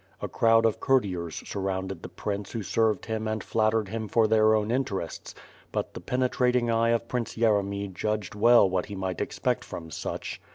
A crowd of courtiers surrounded the prince who served him and flat tered him for their own interests; but the penetrating eye of Prince Yeremy judged well what he might expect from such.